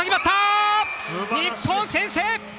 日本先制！